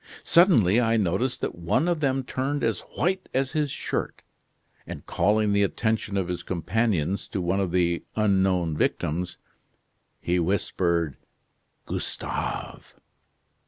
Suddenly I noticed that one of them turned as white as his shirt; and calling the attention of his companions to one of the unknown victims, he whispered: 'Gustave!